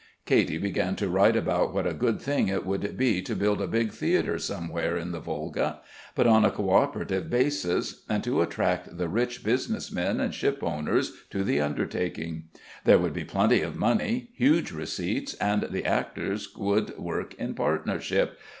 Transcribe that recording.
Katy began to write about what a good thing it would be to build a big theatre somewhere in the Volga, but on a cooperative basis, and to attract the rich business men and shipowners to the undertaking. There would be plenty of money, huge receipts, and the actors would work in partnership....